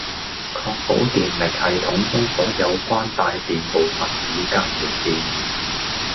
（一）確保電力系統中所有有關帶電部分已隔離電源